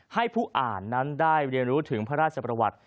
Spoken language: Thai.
ให้ผู้อ่านนั้นได้เรียนรู้ถึงพระราชประวัติ